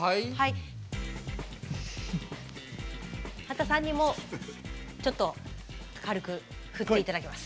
刄田さんにもちょっと軽く振って頂きます。